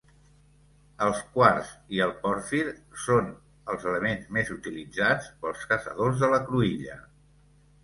El quars i el pòrfir són els elements més utilitzats pels caçadors de la cruïlla.